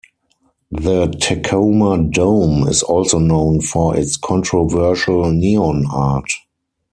The Tacoma Dome is also known for its controversial neon art.